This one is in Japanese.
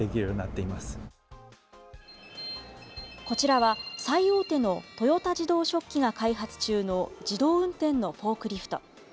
こちらは最大手の豊田自動織機が開発中の自動運転のフォークリフト。